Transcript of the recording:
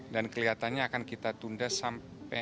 dan kelihatannya akan kita tunda sampai akhir tahun